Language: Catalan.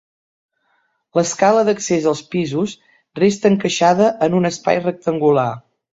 L'escala d'accés als pisos resta encaixada en un espai rectangular.